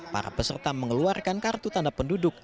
para peserta mengeluarkan kartu tanda penduduk